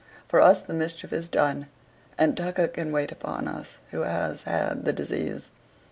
"For us the mischief is done; and Tucker can wait upon us, who has had the disease."